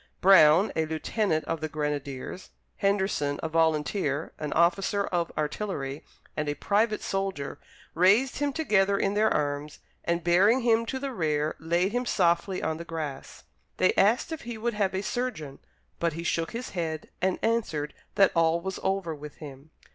Brown, a lieutenant of the grenadiers, Henderson, a volunteer, an officer of artillery, and a private soldier, raised him together in their arms, and bearing him to the rear laid him softly on the grass. They asked if he would have a surgeon, but he shook his head and answered that all was over with him.